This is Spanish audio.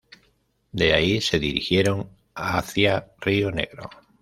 De ahí se dirigieron hacia Río Negro.